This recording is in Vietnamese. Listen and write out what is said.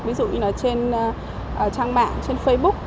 ví dụ như là trên trang mạng trên facebook